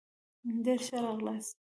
ډېر ښه راغلاست